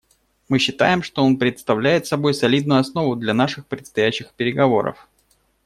Мы считаем, что он представляет собой солидную основу для наших предстоящих переговоров.